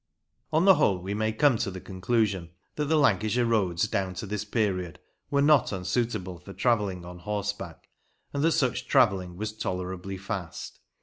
On the whole, we may come to the conclusion that the Lancashire roads down to this period were not unsuitable for travelling on horseback, and that such travelling was tolerably fast.